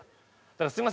すみません